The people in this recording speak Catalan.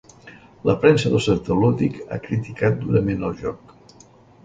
La premsa del sector lúdic ha criticat durament el joc.